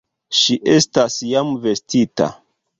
Ŝi estas jam vestita.